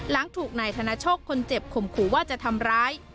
หลังถูกนายธนโชคคนเจ็บข่มขู่ว่าจะทำร้าย